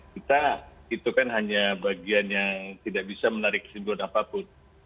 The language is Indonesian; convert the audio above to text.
kita itu kan hanya bagian yang tidak bisa menarik kesimpulan apapun